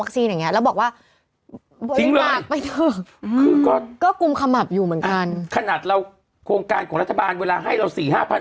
ขนาดเราโครงการของรัฐบาลเวลาให้เรา๔๕๐๐